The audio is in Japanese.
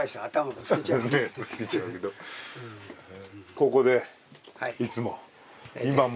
ここでいつも、今も？